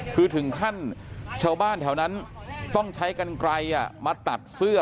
คือถึงขั้นชาวบ้านแถวนั้นต้องใช้กันไกลมาตัดเสื้อ